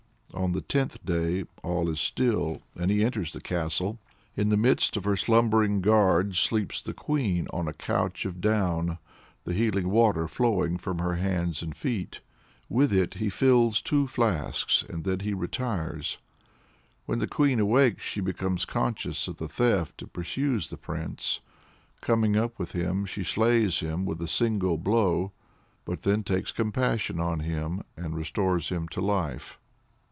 On the tenth day all is still, and he enters the castle. In the midst of her slumbering guards sleeps the Queen on a couch of down, the healing water flowing from her hands and feet. With it he fills two flasks, and then he retires. When the Queen awakes, she becomes conscious of the theft and pursues the Prince. Coming up with him, she slays him with a single blow, but then takes compassion on him, and restores him to life.